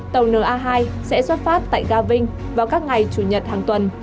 tàu na hai sẽ xuất phát tại ga vinh vào các ngày chủ nhật hàng tuần